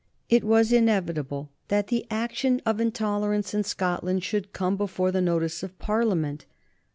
It was inevitable that the action of intolerance in Scotland should come before the notice of Parliament.